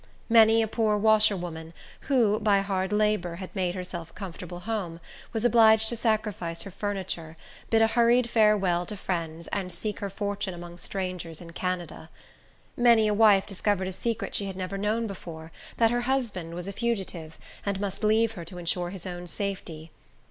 Many a poor washerwoman, who, by hard labor, had made herself a comfortable home, was obliged to sacrifice her furniture, bid a hurried farewell to friends, and seek her fortune among strangers in Canada. Many a wife discovered a secret she had never known before—that her husband was a fugitive, and must leave her to insure his own safety.